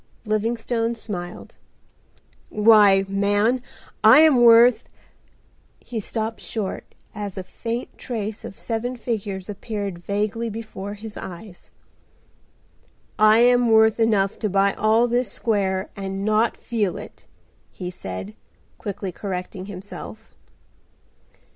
Livingstone smiled. "Why, man, I am worth—" He stopped short as a faint trace of seven figures appeared vaguely before his eyes. "I am worth enough to buy all this square and not feel it," he said, quickly correcting himself.